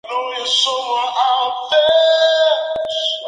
De vuelta en Inglaterra, tuvo otro hijo más.